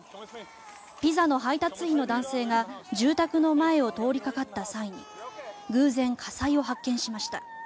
ピザの配達員の男性が住宅の前を通りかかった際に偶然、火災を発見しました。